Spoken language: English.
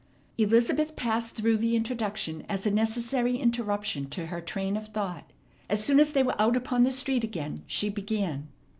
Elizabeth passed through the introduction as a necessary interruption to her train of thought. As soon as they were out upon the street again she began.